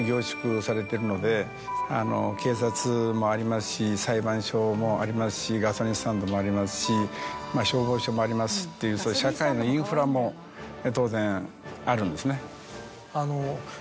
警察もありますし裁判所もありますしガソリンスタンドもありますし消防署もありますっていう社会のインフラも当然あるんですね。